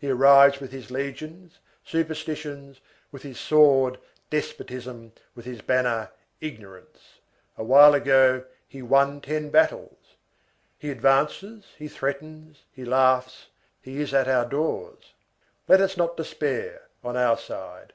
He arrives with his legions, superstitions, with his sword, despotism, with his banner, ignorance; a while ago, he won ten battles. He advances, he threatens, he laughs, he is at our doors. Let us not despair, on our side.